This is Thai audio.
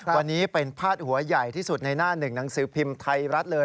วันนี้เป็นพาดหัวใหญ่ที่สุดในหน้าหนึ่งหนังสือพิมพ์ไทยรัฐเลย